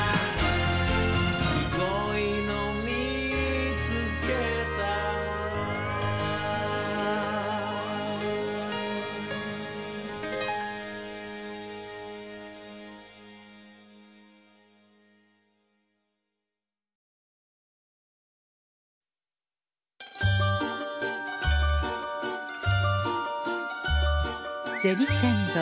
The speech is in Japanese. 「すごいのみつけた」銭天堂。